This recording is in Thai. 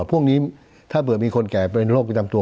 พวกนี้ถ้าเบื่อมีคนแก่เป็นโรคประจำตัว